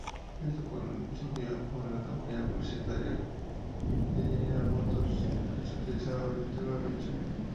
Esto coincidió con una campaña publicitaria de General Motors que utilizaba su tema "Vehicle".